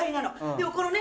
でもこのね